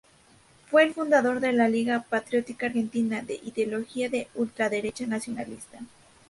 Fue el fundador de la Liga Patriótica Argentina, de ideología de ultraderecha nacionalista.